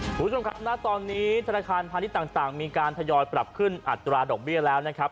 คุณผู้ชมครับณตอนนี้ธนาคารพาณิชย์ต่างมีการทยอยปรับขึ้นอัตราดอกเบี้ยแล้วนะครับ